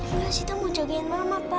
enggak sita mau jagain mama pak